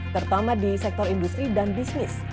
terutama di sektor industri dan bisnis